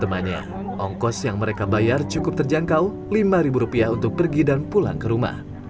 tem quarter juga yang terkenal dengan merata t internet